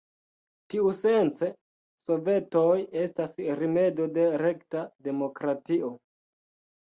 Tiusence sovetoj estas rimedo de rekta demokratio.